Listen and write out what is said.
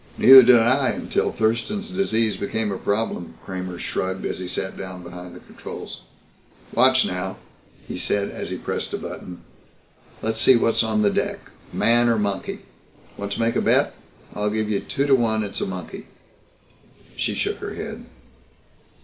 "Neither did I until Thurston's Disease became a problem." Kramer shrugged and sat down behind the controls. "Watch, now," he said as he pressed a button. "Let's see what's on deck man or monkey. Want to make a bet? I'll give you two to one it's a monkey." She shook her head.